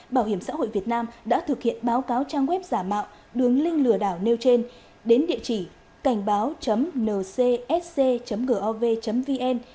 bảo hiểm xã hội việt nam đã thực hiện báo cáo trang web giả mạo đường link lừa đảo nêu trên đến địa chỉ cảnh báo ncsc gov vn